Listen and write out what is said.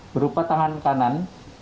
berupa tangan kanan